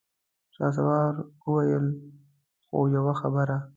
شهسوار وويل: خو يوه خبره!